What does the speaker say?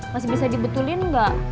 masih bisa dibetulin gak